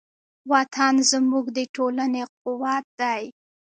وطن زموږ د ټولنې قوت دی.